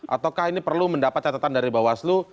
ataukah ini perlu mendapat catatan dari bawaslu